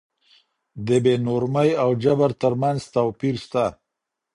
د بې نورمۍ او جبر تر منځ توپير سته.